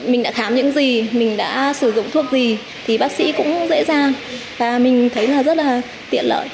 mình đã khám những gì mình đã sử dụng thuốc gì thì bác sĩ cũng dễ dàng và mình thấy là rất là tiện lợi